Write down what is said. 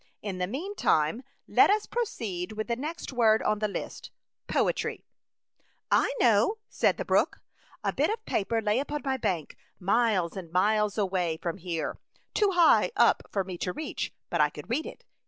In A Chautauqua Idyl. 59 the meantime, let us proceed with tke next word on the Hst, poetry/' " I know," said the brook. *' A bit of paper lay upon my bank, miles and miles away from here, too high up for me to reach, but I could read it.